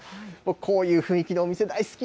こういう雰囲気のお店、大好き。